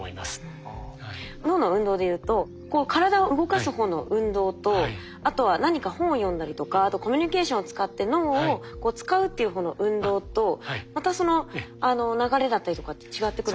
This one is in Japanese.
脳の運動でいうとこう体を動かす方の運動とあとは何か本を読んだりとかあとコミュニケーションを使って脳を使うっていう方の運動とまたその流れだったりとかって違ってくるんですか？